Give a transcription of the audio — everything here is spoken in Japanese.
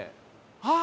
あっ！